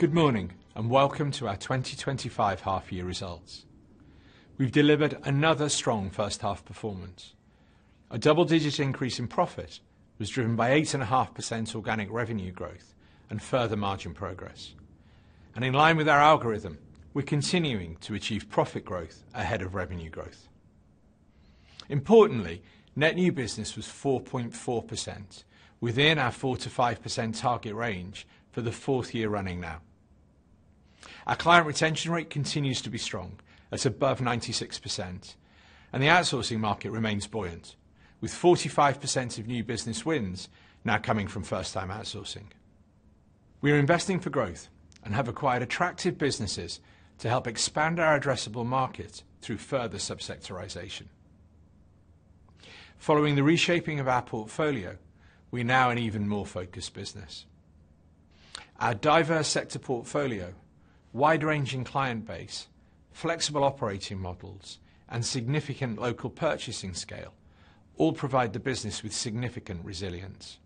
Good morning, and welcome to our 2025 half-year results. We've delivered another strong first-half performance. Our double-digit increase in profit was driven by 8.5% organic revenue growth and further margin progress. In line with our algorithm, we're continuing to achieve profit growth ahead of revenue growth. Importantly, net new business was 4.4%, within our 4%-5% target range for the fourth year running now. Our client retention rate continues to be strong, at above 96%, and the outsourcing market remains buoyant, with 45% of new business wins now coming from first-time outsourcing. We are investing for growth and have acquired attractive businesses to help expand our addressable market through further subsectorization. Following the reshaping of our portfolio, we now have an even more focused business. Our diverse sector portfolio, wide-ranging client base, flexible operating models, and significant local purchasing scale all provide the business with significant resilience.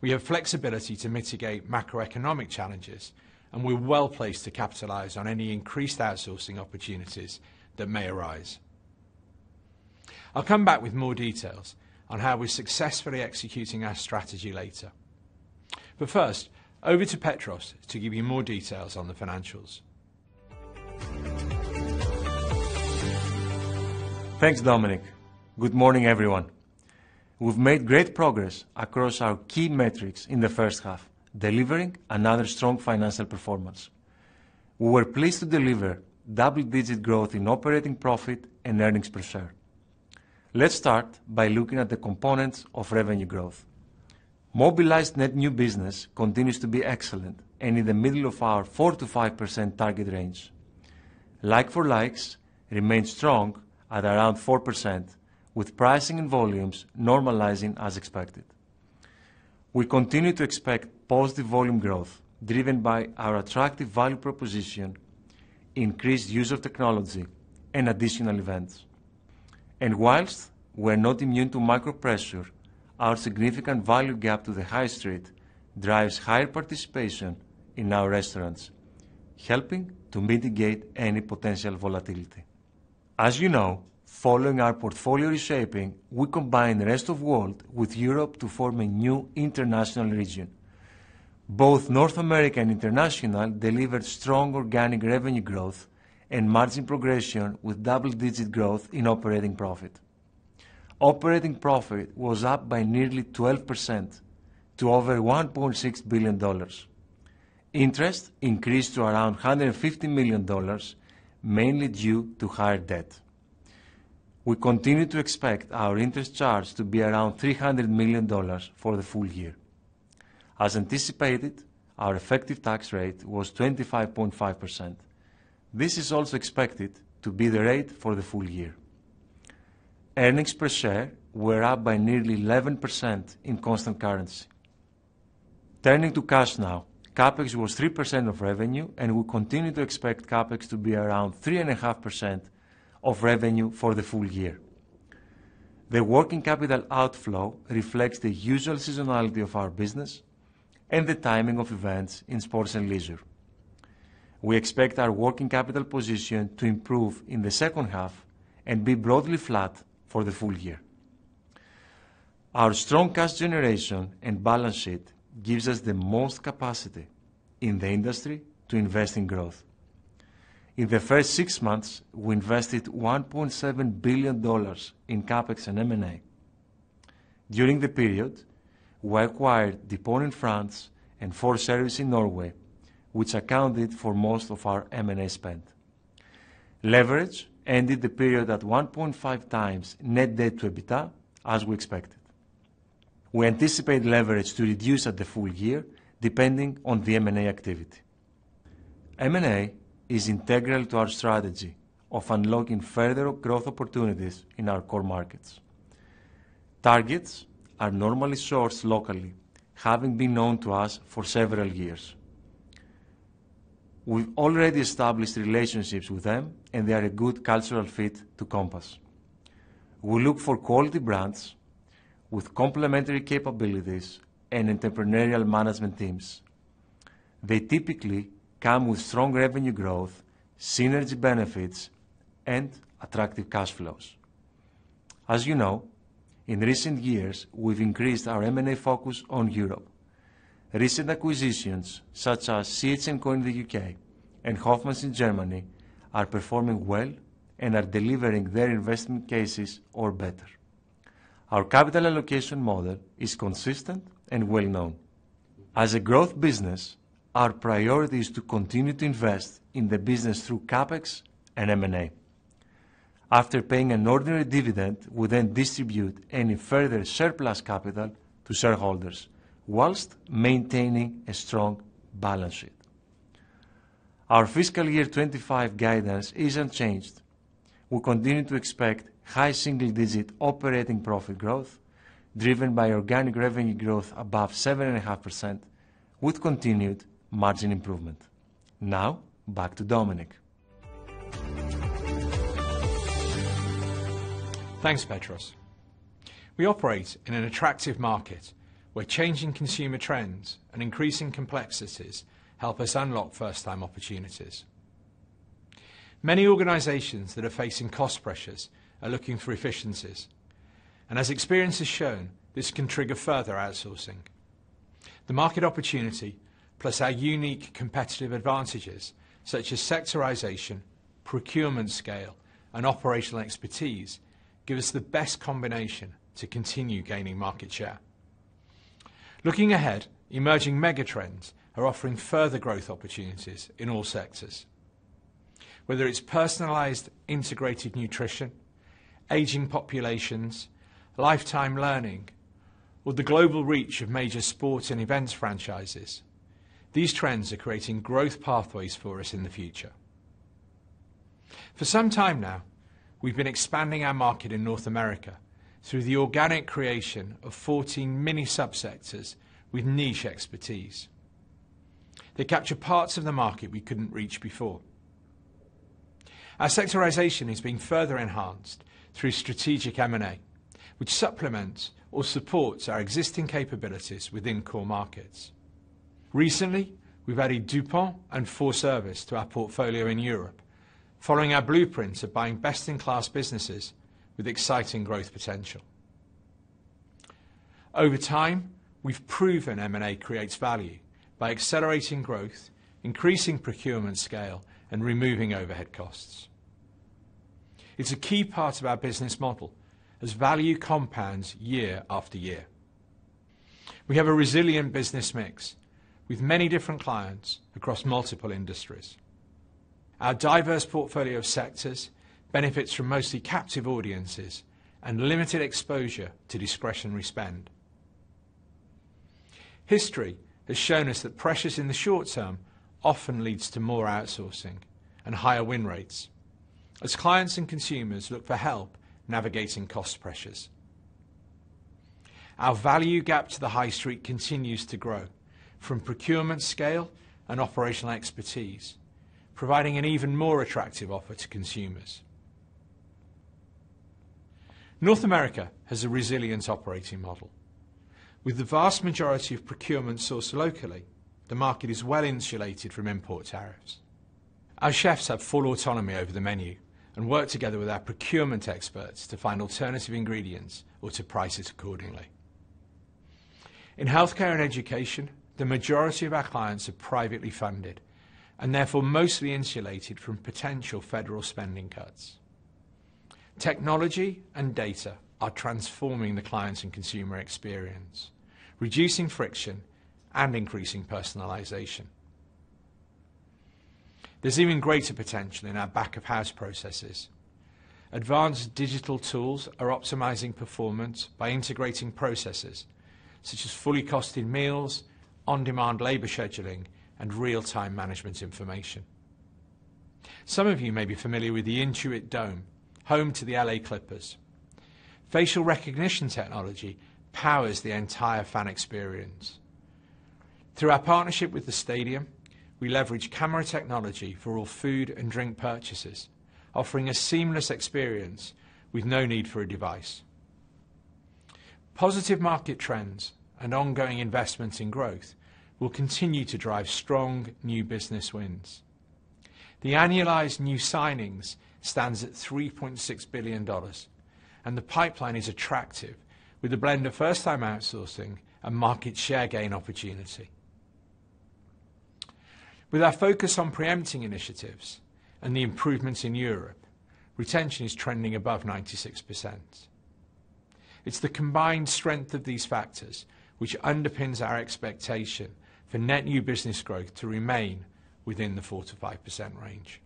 We have flexibility to mitigate macroeconomic challenges, and we're well placed to capitalize on any increased outsourcing opportunities that may arise. I'll come back with more details on how we're successfully executing our strategy later. First, over to Petros to give you more details on the financials. Thanks, Dominic. Good morning, everyone. We've made great progress across our key metrics in the first half, delivering another strong financial performance. We were pleased to deliver double-digit growth in operating profit and earnings per share. Let's start by looking at the components of revenue growth. Mobilized net new business continues to be excellent and in the middle of our 4%-5% target range. Like-for-likes remained strong at around 4%, with pricing and volumes normalizing as expected. We continue to expect positive volume growth driven by our attractive value proposition, increased use of technology, and additional events. Whilst we're not immune to micro-pressure, our significant value gap to the high street drives higher participation in our restaurants, helping to mitigate any potential volatility. As you know, following our portfolio reshaping, we combined the rest of the world with Europe to form a new international region. Both North America and international delivered strong organic revenue growth and margin progression with double-digit growth in operating profit. Operating profit was up by nearly 12% to over $1.6 billion. Interest increased to around $150 million, mainly due to higher debt. We continue to expect our interest charge to be around $300 million for the full year. As anticipated, our effective tax rate was 25.5%. This is also expected to be the rate for the full year. Earnings per share were up by nearly 11% in constant currency. Turning to cash now, CapEx was 3% of revenue, and we continue to expect CapEx to be around 3.5% of revenue for the full year. The working capital outflow reflects the usual seasonality of our business and the timing of events in sports and leisure. We expect our working capital position to improve in the second half and be broadly flat for the full year. Our strong cash generation and balance sheet gives us the most capacity in the industry to invest in growth. In the first six months, we invested $1.7 billion in CapEx and M&A. During the period, we acquired DuPont in France and 4Services in Norway, which accounted for most of our M&A spend. Leverage ended the period at 1.5x net debt to EBITDA, as we expected. We anticipate leverage to reduce at the full year, depending on the M&A activity. M&A is integral to our strategy of unlocking further growth opportunities in our core markets. Targets are normally sourced locally, having been known to us for several years. We've already established relationships with them, and they are a good cultural fit to Compass. We look for quality brands with complementary capabilities and entrepreneurial management teams. They typically come with strong revenue growth, synergy benefits, and attractive cash flows. As you know, in recent years, we've increased our M&A focus on Europe. Recent acquisitions, such as CH&Co in the U.K. and Hoffmann in Germany, are performing well and are delivering their investment cases or better. Our capital allocation model is consistent and well-known. As a growth business, our priority is to continue to invest in the business through CapEx and M&A. After paying an ordinary dividend, we then distribute any further surplus capital to shareholders, whilst maintaining a strong balance sheet. Our fiscal year 2025 guidance is unchanged. We continue to expect high single-digit operating profit growth, driven by organic revenue growth above 7.5%, with continued margin improvement. Now, back to Dominic. Thanks, Petros. We operate in an attractive market where changing consumer trends and increasing complexities help us unlock first-time opportunities. Many organizations that are facing cost pressures are looking for efficiencies. As experience has shown, this can trigger further outsourcing. The market opportunity, plus our unique competitive advantages, such as sectorization, procurement scale, and operational expertise, give us the best combination to continue gaining market share. Looking ahead, emerging megatrends are offering further growth opportunities in all sectors. Whether it's personalized integrated nutrition, aging populations, lifetime learning, or the global reach of major sports and events franchises, these trends are creating growth pathways for us in the future. For some time now, we've been expanding our market in North America through the organic creation of 14 mini subsectors with niche expertise. They capture parts of the market we couldn't reach before. Our sectorization has been further enhanced through strategic M&A, which supplements or supports our existing capabilities within core markets. Recently, we've added DuPont and 4Services to our portfolio in Europe, following our blueprints of buying best-in-class businesses with exciting growth potential. Over time, we've proven M&A creates value by accelerating growth, increasing procurement scale, and removing overhead costs. It's a key part of our business model, as value compounds year after year. We have a resilient business mix with many different clients across multiple industries. Our diverse portfolio of sectors benefits from mostly captive audiences and limited exposure to discretionary spend. History has shown us that pressures in the short term often lead to more outsourcing and higher win rates, as clients and consumers look for help navigating cost pressures. Our value gap to the high street continues to grow, from procurement scale and operational expertise, providing an even more attractive offer to consumers. North America has a resilient operating model. With the vast majority of procurement sourced locally, the market is well insulated from import tariffs. Our chefs have full autonomy over the menu and work together with our procurement experts to find alternative ingredients or to price it accordingly. In healthcare and education, the majority of our clients are privately funded and therefore mostly insulated from potential federal spending cuts. Technology and data are transforming the client's and consumer experience, reducing friction and increasing personalization. There is even greater potential in our back-of-house processes. Advanced digital tools are optimizing performance by integrating processes such as fully costed meals, on-demand labor scheduling, and real-time management information. Some of you may be familiar with the Intuit Dome, home to the LA Clippers. Facial recognition technology powers the entire fan experience. Through our partnership with the stadium, we leverage camera technology for all food and drink purchases, offering a seamless experience with no need for a device. Positive market trends and ongoing investments in growth will continue to drive strong new business wins. The annualized new signings stand at $3.6 billion, and the pipeline is attractive, with a blend of first-time outsourcing and market share gain opportunity. With our focus on preempting initiatives and the improvements in Europe, retention is trending above 96%. It's the combined strength of these factors which underpins our expectation for net new business growth to remain within the 4%-5% range.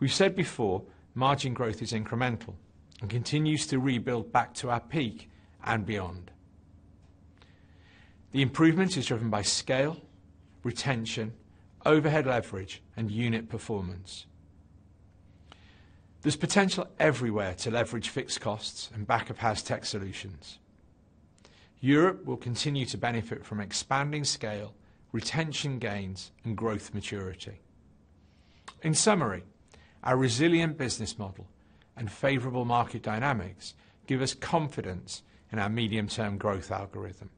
We've said before margin growth is incremental and continues to rebuild back to our peak and beyond. The improvement is driven by scale, retention, overhead leverage, and unit performance. There's potential everywhere to leverage fixed costs and back-of-house tech solutions. Europe will continue to benefit from expanding scale, retention gains, and growth maturity. In summary, our resilient business model and favorable market dynamics give us confidence in our medium-term growth algorithm.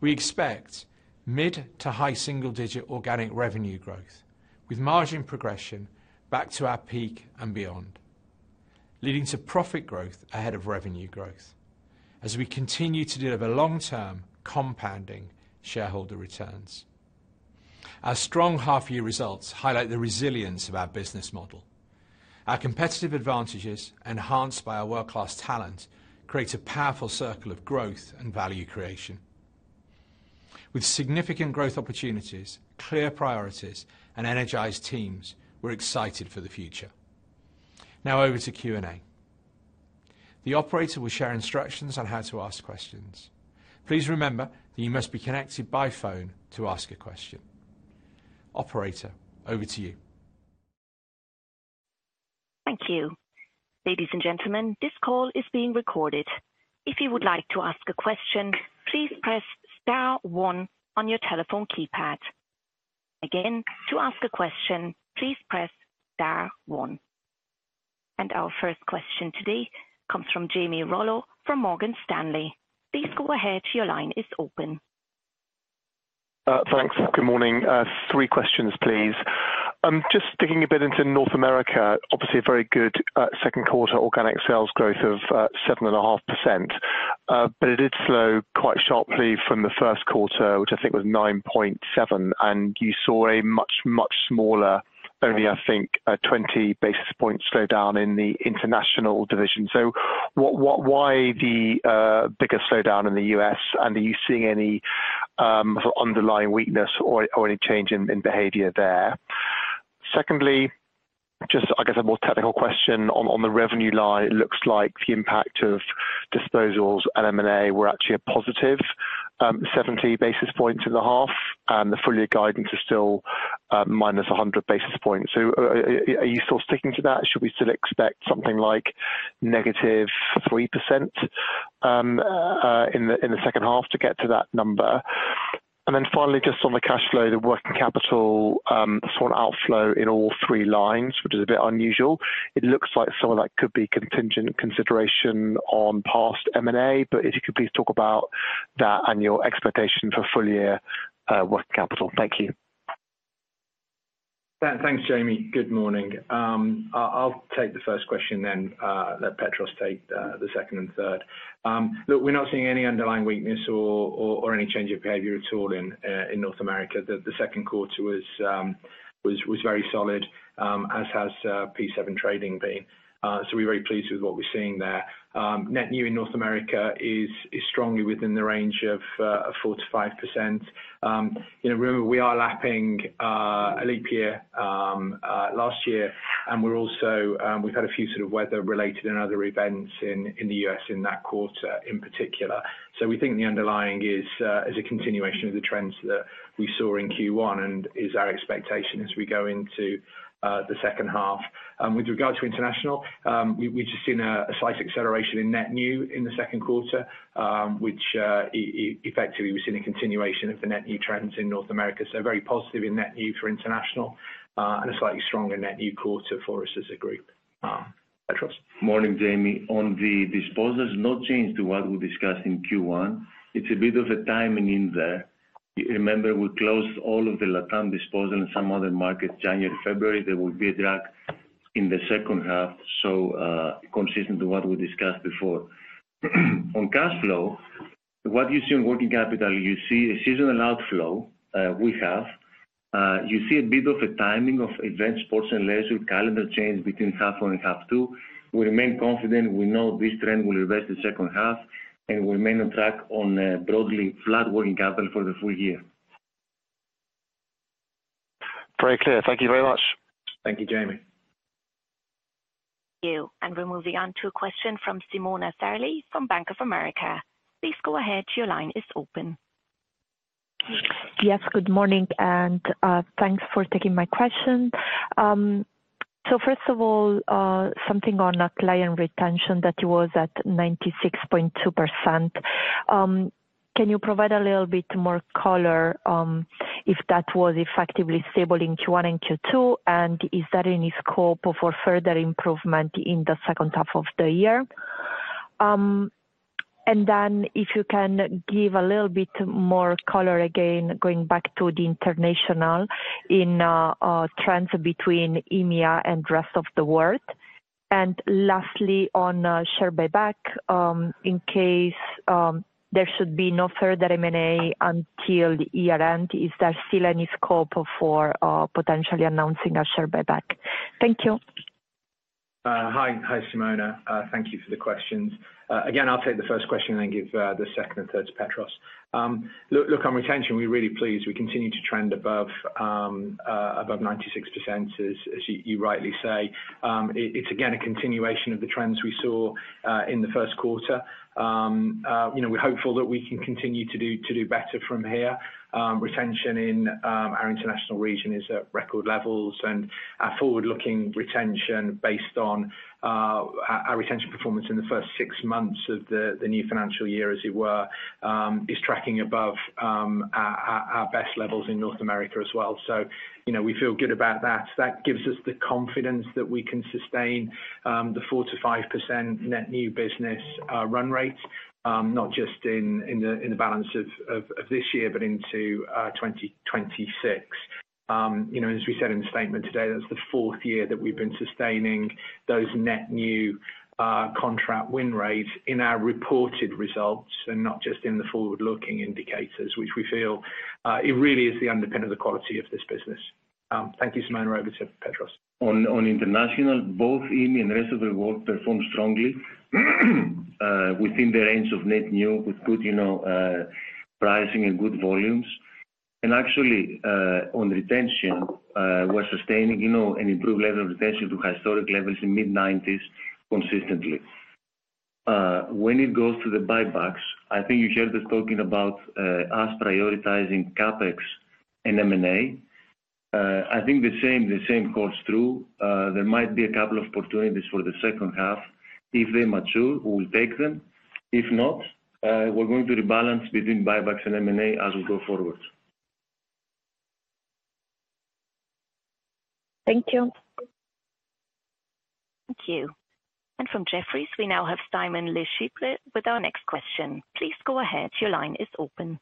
We expect mid to high single-digit organic revenue growth, with margin progression back to our peak and beyond, leading to profit growth ahead of revenue growth, as we continue to deliver long-term compounding shareholder returns. Our strong half-year results highlight the resilience of our business model. Our competitive advantages, enhanced by our world-class talent, create a powerful circle of growth and value creation. With significant growth opportunities, clear priorities, and energized teams, we're excited for the future. Now, over to Q&A. The operator will share instructions on how to ask questions. Please remember that you must be connected by phone to ask a question. Operator, over to you. Thank you. Ladies and gentlemen, this call is being recorded. If you would like to ask a question, please press star one on your telephone keypad. Again, to ask a question, please press star one. Our first question today comes from Jamie Rollo from Morgan Stanley. Please go ahead, your line is open. Thanks. Good morning. Three questions, please. Just digging a bit into North America, obviously a very good second-quarter organic sales growth of 7.5%, but it did slow quite sharply from the first quarter, which I think was 9.7%, and you saw a much, much smaller, only I think 20 basis points slowdown in the international division. Why the bigger slowdown in the U.S., and are you seeing any sort of underlying weakness or any change in behavior there? Secondly, just I guess a more technical question. On the revenue line, it looks like the impact of disposals and M&A were actually a positive 70 basis points in the half, and the full-year guidance is still -100 basis points. Are you still sticking to that? Should we still expect something like -3% in the second half to get to that number? Finally, just on the cash flow, the working capital sort of outflow in all three lines, which is a bit unusual. It looks like some of that could be contingent consideration on past M&A, but if you could please talk about that and your expectation for full-year working capital. Thank you. Thanks, Jamie. Good morning. I'll take the first question then let Petros take the second and third. Look, we're not seeing any underlying weakness or any change of behavior at all in North America. The second quarter was very solid, as has P7 trading been. We are very pleased with what we're seeing there. Net new in North America is strongly within the range of 4%-5%. Remember, we are lapping a leap year last year, and we've had a few sort of weather-related and other events in the U.S. in that quarter in particular. We think the underlying is a continuation of the trends that we saw in Q1 and is our expectation as we go into the second half. With regard to international, we've just seen a slight acceleration in net new in the second quarter, which effectively we've seen a continuation of the net new trends in North America. Very positive in net new for international and a slightly stronger net new quarter for us as a group. Petros. Morning, Jamie. On the disposals, no change to what we discussed in Q1. It's a bit of a timing in there. Remember, we closed all of the LATAM disposal and some other markets January, February. There will be a drag in the second half, so consistent to what we discussed before. On cash flow, what you see in working capital, you see a seasonal outflow we have. You see a bit of a timing of events, sports and leisure, calendar change between half one and half two. We remain confident. We know this trend will reverse the second half, and we remain on track on broadly flat working capital for the full year. Very clear. Thank you very much. Thank you, Jamie. Thank you. We are moving on to a question from Simona Sarli from Bank of America. Please go ahead, your line is open. Yes, good morning, and thanks for taking my question. First of all, something on client retention that was at 96.2%. Can you provide a little bit more color if that was effectively stable in Q1 and Q2, and is that in scope for further improvement in the second half of the year? If you can give a little bit more color again, going back to the international in trends between EMEA and rest of the world. Lastly, on share buyback, in case there should be no further M&A until the year end, is there still any scope for potentially announcing a share buyback? Thank you. Hi, Simona. Thank you for the questions. Again, I'll take the first question and then give the second and third to Petros. Look, on retention, we're really pleased. We continue to trend above 96%, as you rightly say. It's again a continuation of the trends we saw in the first quarter. We're hopeful that we can continue to do better from here. Retention in our international region is at record levels, and our forward-looking retention based on our retention performance in the first six months of the new financial year, as it were, is tracking above our best levels in North America as well. We feel good about that. That gives us the confidence that we can sustain the 4%-5% net new business run rate, not just in the balance of this year, but into 2026. As we said in the statement today, that's the fourth year that we've been sustaining those net new contract win rates in our reported results and not just in the forward-looking indicators, which we feel it really is the underpin of the quality of this business. Thank you, Simona. Over to Petros. On international, both EMEA and the rest of the world performed strongly within the range of net new, with good pricing and good volumes. Actually, on retention, we're sustaining an improved level of retention to historic levels in the mid-90s consistently. When it goes to the buybacks, I think you heard us talking about us prioritizing CapEx and M&A. I think the same holds true. There might be a couple of opportunities for the second half. If they mature, we'll take them. If not, we're going to rebalance between buybacks and M&A as we go forward. Thank you. Thank you. From Jefferies, we now have Simon LeChipre with our next question. Please go ahead. Your line is open.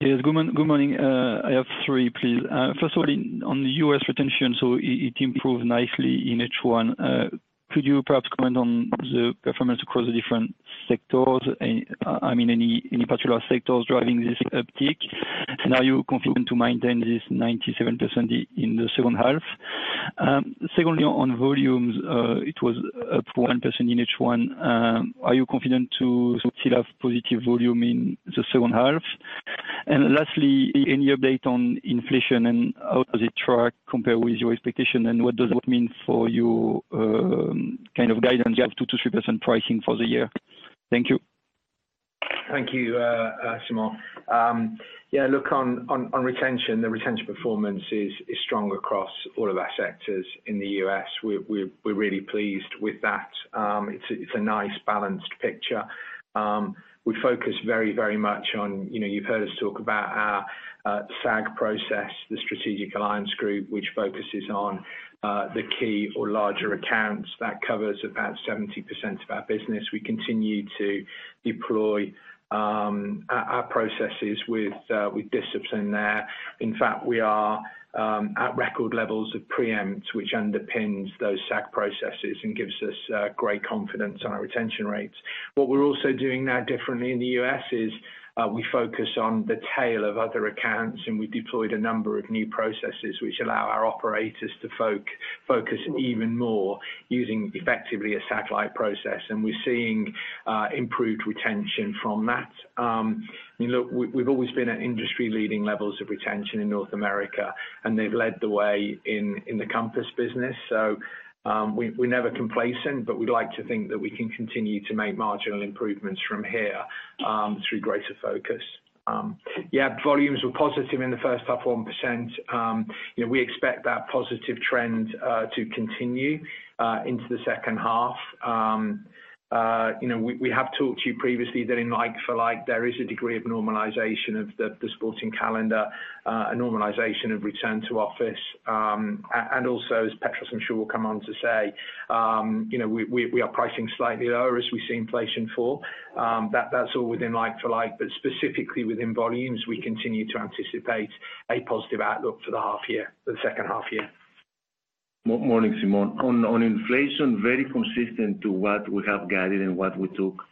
Yes, good morning. I have three, please. First of all, on the U.S. retention, it improved nicely in H1. Could you perhaps comment on the performance across the different sectors? I mean, any particular sectors driving this uptick? Are you confident to maintain this 97% in the second half? Secondly, on volumes, it was up 1% in H1. Are you confident to still have positive volume in the second half? Lastly, any update on inflation and how does it track compared with your expectation, and what does that mean for your kind of guidance of 2%-3% pricing for the year? Thank you. Thank you, Simon. Yeah, look, on retention, the retention performance is strong across all of our sectors in the U.S. We're really pleased with that. It's a nice balanced picture. We focus very, very much on you've heard us talk about our SAG process, the Strategic Alliance Group, which focuses on the key or larger accounts. That covers about 70% of our business. We continue to deploy our processes with discipline there. In fact, we are at record levels of preempt, which underpins those SAG processes and gives us great confidence on our retention rates. What we're also doing now differently in the U.S. is we focus on the tail of other accounts, and we've deployed a number of new processes which allow our operators to focus even more using effectively a satellite process, and we're seeing improved retention from that. I mean, look, we've always been at industry-leading levels of retention in North America, and they've led the way in the Compass business. So we're never complacent, but we'd like to think that we can continue to make marginal improvements from here through greater focus. Yeah, volumes were positive in the first half, 1%. We expect that positive trend to continue into the second half. We have talked to you previously that in like for like, there is a degree of normalization of the sporting calendar, a normalization of return to office. And also, as Petros, I'm sure will come on to say, we are pricing slightly lower as we see inflation fall. That's all within like for like, but specifically within volumes, we continue to anticipate a positive outlook for the second half year. Morning, Simon. On inflation, very consistent to what we have guided and what we took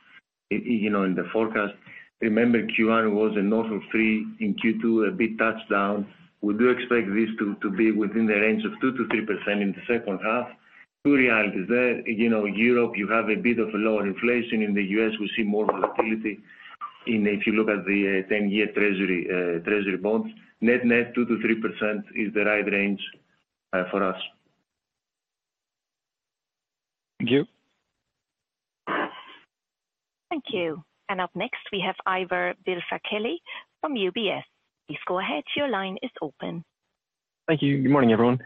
in the forecast. Remember, Q1 was a no-for-three. In Q2, a big touchdown. We do expect this to be within the range of 2%-3% in the second half. Two realities there. Europe, you have a bit of a lower inflation. In the U.S., we see more volatility. If you look at the 10-year treasury bonds, net net 2%-3% is the right range for us. Thank you. Thank you. Up next, we have Ivar Billfalk-Kelly from UBS. Please go ahead. Your line is open. Thank you. Good morning, everyone.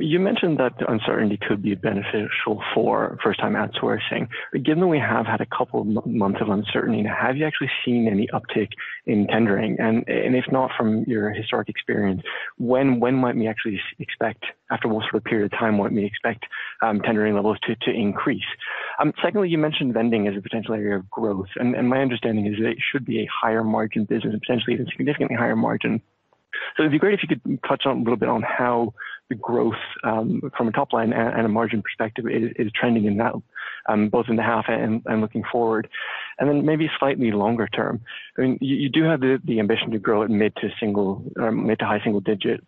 You mentioned that uncertainty could be beneficial for first-time outsourcing. Given that we have had a couple of months of uncertainty, have you actually seen any uptick in tendering? If not, from your historic experience, when might we actually expect, after what sort of period of time, might we expect tendering levels to increase? Secondly, you mentioned vending as a potential area of growth. My understanding is that it should be a higher margin business, potentially even significantly higher margin. It would be great if you could touch on a little bit on how the growth from a top line and a margin perspective is trending in that, both in the half and looking forward. Maybe slightly longer term. I mean, you do have the ambition to grow at mid to high single-digit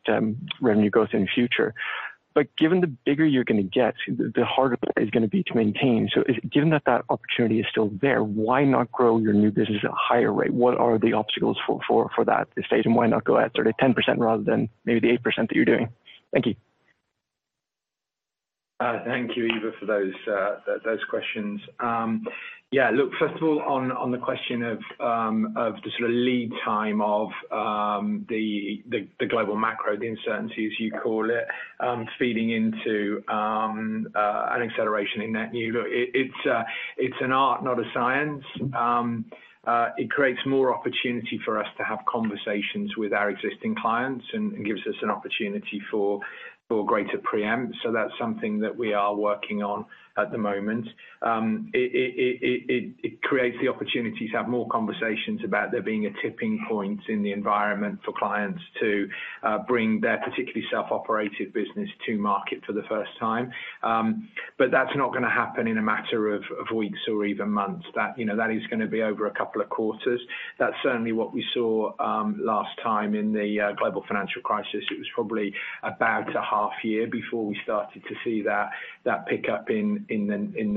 revenue growth in the future. Given the bigger you're going to get, the harder it's going to be to maintain. Given that that opportunity is still there, why not grow your new business at a higher rate? What are the obstacles for that stage? Why not go at sort of 10% rather than maybe the 8% that you're doing? Thank you. Thank you, Ivar, for those questions. Yeah, look, first of all, on the question of the sort of lead time of the global macro, the uncertainties, you call it, feeding into an acceleration in net new, look, it's an art, not a science. It creates more opportunity for us to have conversations with our existing clients and gives us an opportunity for greater preempt. So that's something that we are working on at the moment. It creates the opportunity to have more conversations about there being a tipping point in the environment for clients to bring their particularly self-operated business to market for the first time. That is not going to happen in a matter of weeks or even months. That is going to be over a couple of quarters. That is certainly what we saw last time in the global financial crisis. It was probably about a half year before we started to see that pickup in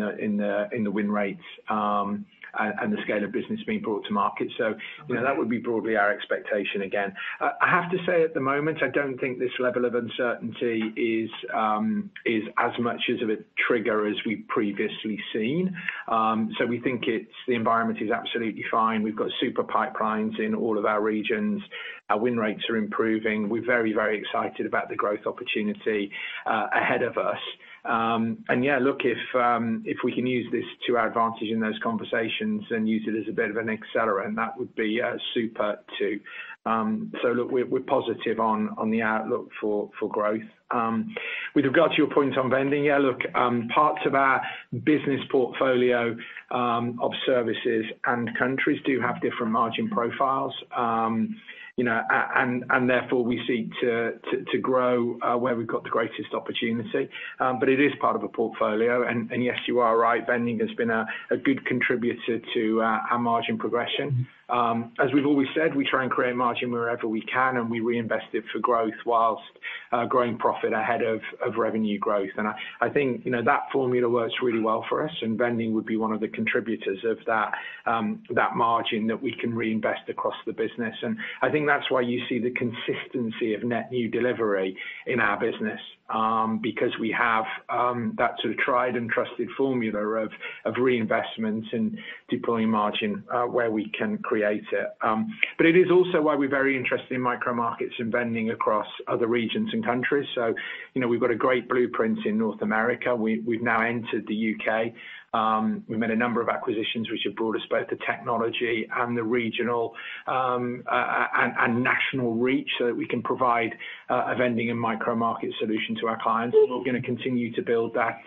the win rates and the scale of business being brought to market. That would be broadly our expectation again. I have to say at the moment, I do not think this level of uncertainty is as much of a trigger as we have previously seen. We think the environment is absolutely fine. We have got super pipelines in all of our regions. Our win rates are improving. We are very, very excited about the growth opportunity ahead of us. Yeah, look, if we can use this to our advantage in those conversations and use it as a bit of an accelerant, that would be super too. We are positive on the outlook for growth. With regard to your points on vending, yeah, look, parts of our business portfolio of services and countries do have different margin profiles. Therefore, we seek to grow where we've got the greatest opportunity. It is part of a portfolio. Yes, you are right. Vending has been a good contributor to our margin progression. As we've always said, we try and create margin wherever we can, and we reinvest it for growth whilst growing profit ahead of revenue growth. I think that formula works really well for us, and vending would be one of the contributors of that margin that we can reinvest across the business. I think that's why you see the consistency of net new delivery in our business, because we have that sort of tried and trusted formula of reinvestments and deploying margin where we can create it. It is also why we're very interested in micro markets and vending across other regions and countries. We've got a great blueprint in North America. We've now entered the U.K. We've made a number of acquisitions, which have brought us both the technology and the regional and national reach so that we can provide a vending and micro market solution to our clients. We're going to continue to build that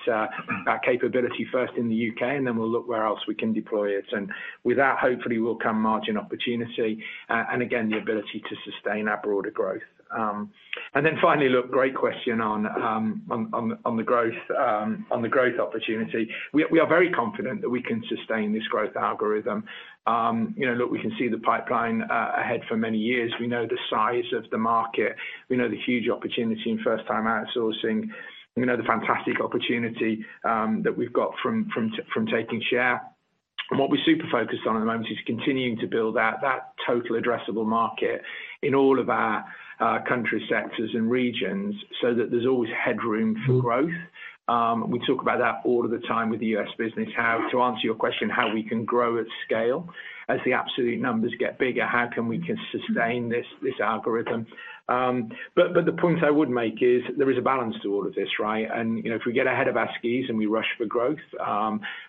capability first in the U.K., and then we'll look where else we can deploy it. With that, hopefully, will come margin opportunity and again, the ability to sustain our broader growth. Finally, look, great question on the growth opportunity. We are very confident that we can sustain this growth algorithm. We can see the pipeline ahead for many years. We know the size of the market. We know the huge opportunity in first-time outsourcing. We know the fantastic opportunity that we've got from taking share. What we're super focused on at the moment is continuing to build that total addressable market in all of our country sectors and regions so that there's always headroom for growth. We talk about that all of the time with the U.S. business, how, to answer your question, how we can grow at scale. As the absolute numbers get bigger, how can we sustain this algorithm? The point I would make is there is a balance to all of this, right? If we get ahead of our skis and we rush for growth,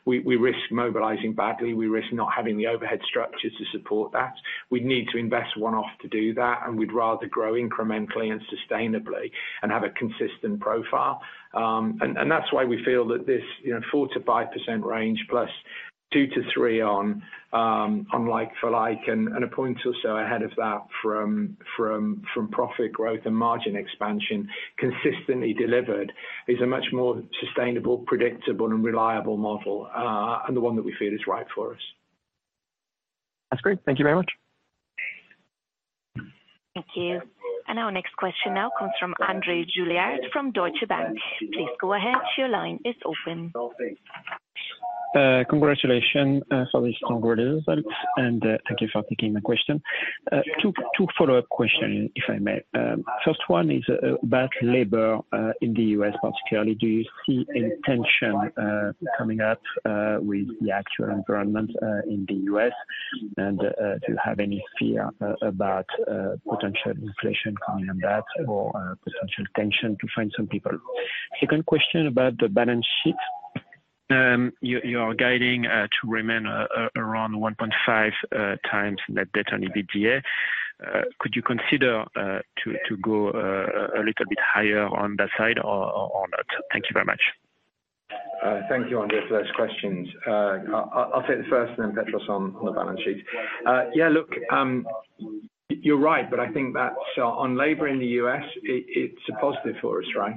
we risk mobilizing badly. We risk not having the overhead structures to support that. We need to invest one-off to do that, and we'd rather grow incrementally and sustainably and have a consistent profile. That is why we feel that this 4%-5% range plus 2%-3% on like-for-like and a point or so ahead of that from profit growth and margin expansion consistently delivered is a much more sustainable, predictable, and reliable model and the one that we feel is right for us. That's great. Thank you very much. Thank you. Our next question now comes from Andre Juillard from Deutsche Bank. Please go ahead. Your line is open. Congratulations for this conference. Thank you for taking my question. Two follow-up questions, if I may. First one is about labor in the U.S., particularly. Do you see any tension coming up with the actual environment in the U.S.? Do you have any fear about potential inflation coming on that or potential tension to find some people? Second question about the balance sheet. You are guiding to remain around 1.5x net debt on EBITDA. Could you consider to go a little bit higher on that side or not? Thank you very much. Thank you, Andre, for those questions. I'll take the first and then Petros on the balance sheet. Yeah, look, you're right, but I think that on labor in the U.S., it's a positive for us, right?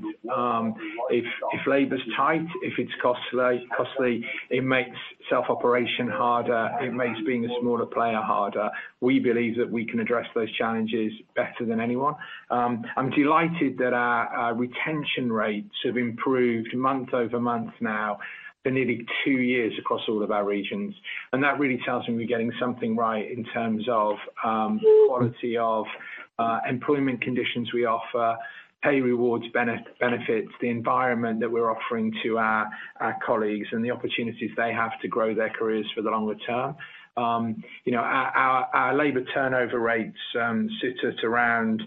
If labor's tight, if it's costly, it makes self-operation harder. It makes being a smaller player harder. We believe that we can address those challenges better than anyone. I'm delighted that our retention rates have improved month over month now, nearly two years across all of our regions. That really tells me we're getting something right in terms of quality of employment conditions we offer, pay, rewards, benefits, the environment that we're offering to our colleagues, and the opportunities they have to grow their careers for the longer term. Our labor turnover rates sit at around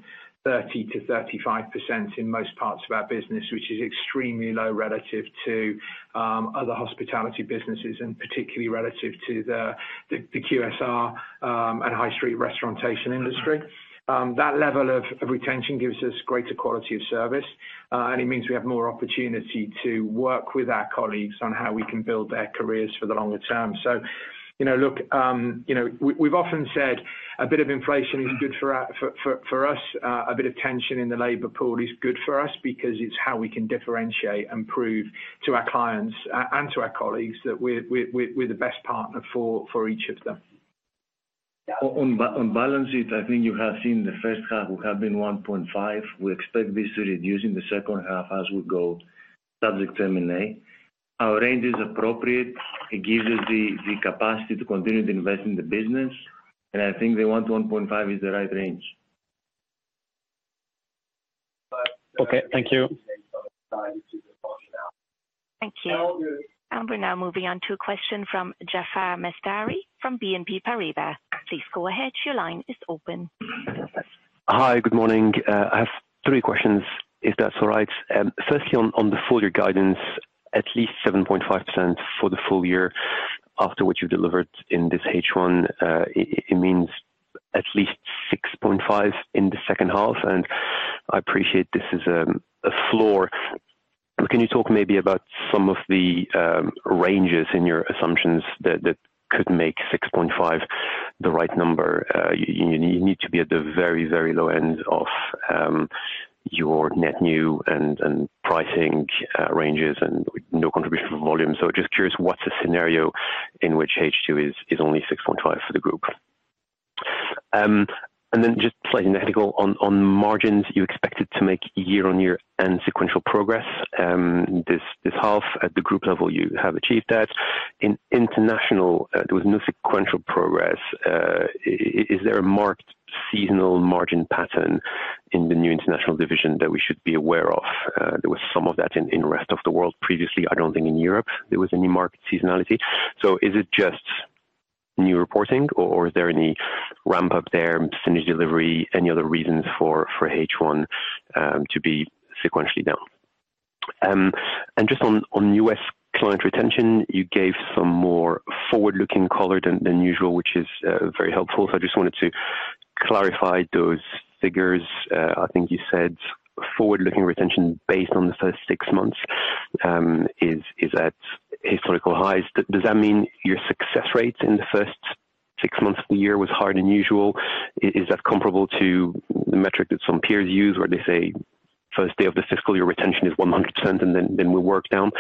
30%-35% in most parts of our business, which is extremely low relative to other hospitality businesses and particularly relative to the QSR and high street restaurantation industry. That level of retention gives us greater quality of service, and it means we have more opportunity to work with our colleagues on how we can build their careers for the longer term. Look, we've often said a bit of inflation is good for us. A bit of tension in the labor pool is good for us because it's how we can differentiate and prove to our clients and to our colleagues that we're the best partner for each of them. On balance sheet, I think you have seen the first half will have been 1.5x. We expect this to reduce in the second half as we go towards the terminate. Our range is appropriate. It gives us the capacity to continue to invest in the business. I think the 1x-1.5x is the right range. Okay. Thank you. Thank you. We are now moving on to a question from Jaafar Mestari from BNP Paribas. Please go ahead. Your line is open. Hi, good morning. I have three questions, if that's all right. Firstly, on the full-year guidance, at least 7.5% for the full year, after what you've delivered in this H1, it means at least 6.5% in the second half. I appreciate this is a floor. Can you talk maybe about some of the ranges in your assumptions that could make 6.5% the right number? You need to be at the very, very low end of your net new and pricing ranges and no contribution for volume. Just curious, what's a scenario in which H2 is only 6.5% for the group? Then just slightly technical. On margins, you expected to make year-on-year and sequential progress this half. At the group level, you have achieved that. In international, there was no sequential progress. Is there a marked seasonal margin pattern in the new international division that we should be aware of? There was some of that in the rest of the world previously. I do not think in Europe there was any marked seasonality. Is it just new reporting, or is there any ramp-up there, finished delivery, any other reasons for H1 to be sequentially down? Just on U.S. client retention, you gave some more forward-looking color than usual, which is very helpful. I just wanted to clarify those figures. I think you said forward-looking retention based on the first six months is at historical highs. Does that mean your success rate in the first six months of the year was higher than usual? Is that comparable to the metric that some peers use where they say first day of the fiscal year retention is 100% and then we work down?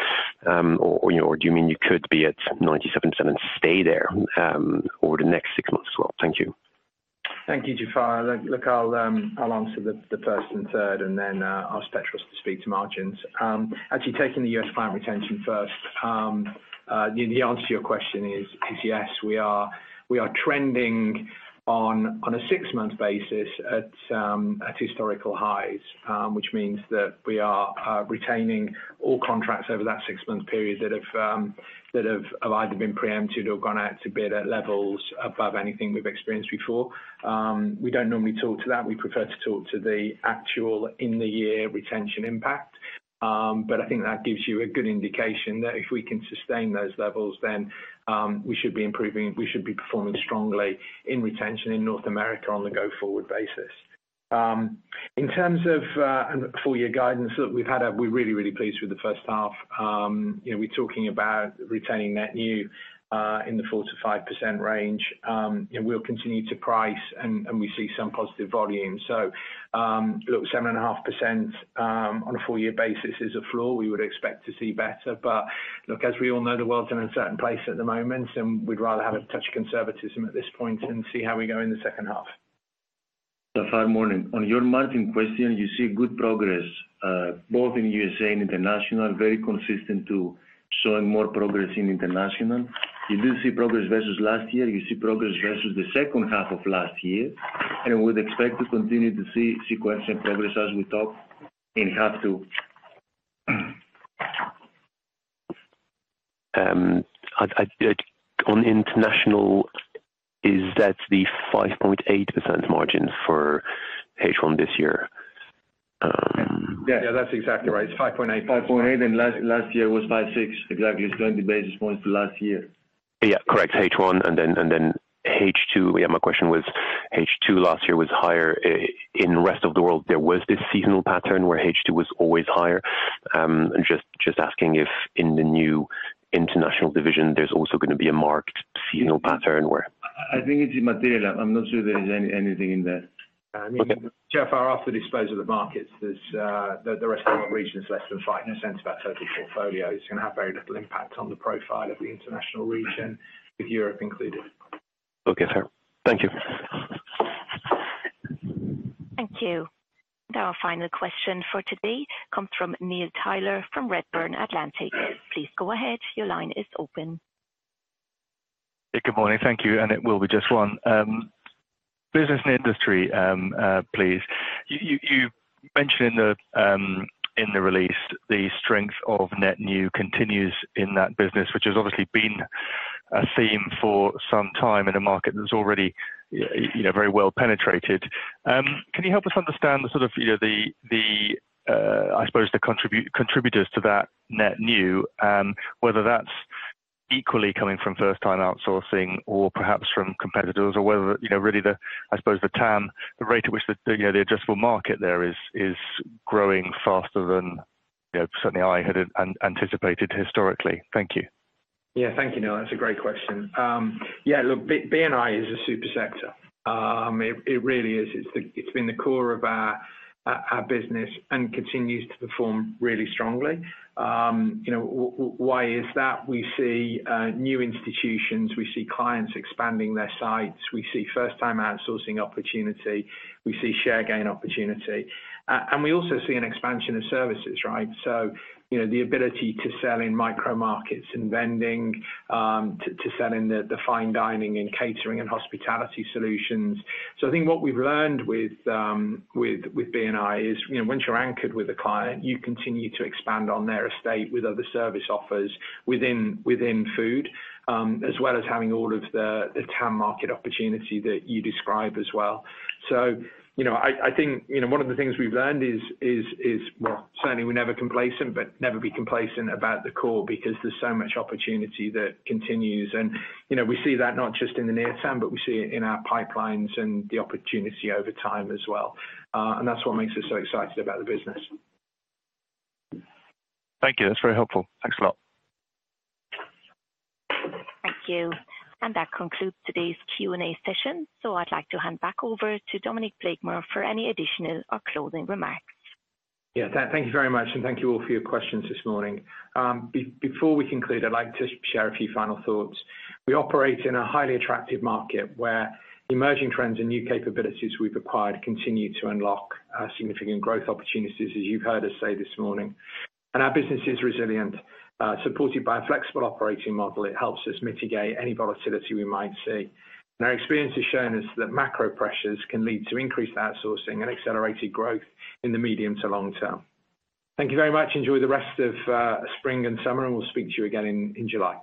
Or do you mean you could be at 97% and stay there over the next six months as well? Thank you. Thank you, Jaafar. Look, I'll answer the first and third, and then ask Petros to speak to margins. Actually, taking the U.S. client retention first, the answer to your question is yes. We are trending on a six-month basis at historical highs, which means that we are retaining all contracts over that six-month period that have either been preempted or gone out to bid at levels above anything we've experienced before. We do not normally talk to that. We prefer to talk to the actual in-the-year retention impact. I think that gives you a good indication that if we can sustain those levels, then we should be improving. We should be performing strongly in retention in North America on the go-forward basis. In terms of full-year guidance that we've had, we are really, really pleased with the first half. We are talking about retaining net new in the 4%-5% range. We'll continue to price, and we see some positive volume. Look, 7.5% on a full-year basis is a floor. We would expect to see better. As we all know, the world's in a certain place at the moment, and we'd rather have a touch of conservatism at this point and see how we go in the second half. Jaafar, morning. On your margin question, you see good progress both in USA and international, very consistent to showing more progress in international. You do see progress versus last year. You see progress versus the second half of last year. We would expect to continue to see sequential progress as we talk and have to. On international, is that the 5.8% margin for H1 this year? Yeah, that's exactly right. It's 5.8%. 5.8%, and last year was 5.6%. Exactly. It's going to be basis points to last year. Yeah, correct. H1 and then H2. Yeah, my question was H2 last year was higher. In the rest of the world, there was this seasonal pattern where H2 was always higher. Just asking if in the new international division, there's also going to be a marked seasonal pattern where. I think it's immaterial. I'm not sure there is anything in there. Jaafar, off the disposal of the markets, the rest of the world region is less than 5% of our total portfolio. It's going to have very little impact on the profile of the international region with Europe included. Okay, sir. Thank you. Thank you. Our final question for today comes from Neil Tyler from Redburn Atlantic. Please go ahead. Your line is open. Good morning. Thank you. It will be just one. Business and industry, please. You mentioned in the release the strength of net new continues in that business, which has obviously been a theme for some time in a market that is already very well penetrated. Can you help us understand the sort of, I suppose, the contributors to that net new, whether that is equally coming from first-time outsourcing or perhaps from competitors, or whether really, I suppose, the rate at which the adjustable market there is growing faster than certainly I had anticipated historically? Thank you. Yeah, thank you, Neil. That's a great question. Yeah, look, B&I is a super sector. It really is. It's been the core of our business and continues to perform really strongly. Why is that? We see new institutions. We see clients expanding their sites. We see first-time outsourcing opportunity. We see share gain opportunity. We also see an expansion of services, right? The ability to sell in micro markets and vending, to sell in the fine dining and catering and hospitality solutions. I think what we've learned with B&I is once you're anchored with a client, you continue to expand on their estate with other service offers within food, as well as having all of the TAM market opportunity that you describe as well. I think one of the things we've learned is, well, certainly we're never complacent, but never be complacent about the core because there's so much opportunity that continues. We see that not just in the near term, but we see it in our pipelines and the opportunity over time as well. That's what makes us so excited about the business. Thank you. That's very helpful. Thanks a lot. Thank you. That concludes today's Q&A session. I'd like to hand back over to Dominic Blakemore for any additional or closing remarks. Yeah, thank you very much. Thank you all for your questions this morning. Before we conclude, I'd like to share a few final thoughts. We operate in a highly attractive market where emerging trends and new capabilities we've acquired continue to unlock significant growth opportunities, as you've heard us say this morning. Our business is resilient. Supported by a flexible operating model, it helps us mitigate any volatility we might see. Our experience has shown us that macro pressures can lead to increased outsourcing and accelerated growth in the medium to long term. Thank you very much. Enjoy the rest of spring and summer, and we'll speak to you again in July.